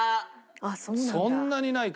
そんなにないか。